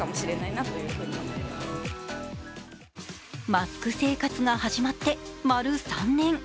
マスク生活が始まって丸３年。